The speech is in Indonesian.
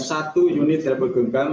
satu unit rebel genggam